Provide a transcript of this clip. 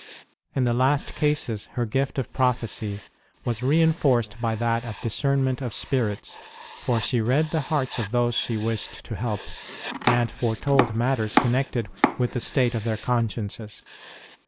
In the last cases her gift of prophecy was reinforced by that of discernment of spirits, for she read the hearts of those she 126 ST. ROSE OF LIMA wished to help, and foretold matters connected with the state of their consciences.